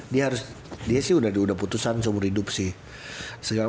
dia harus dia sih udah putusan seumur hidup sih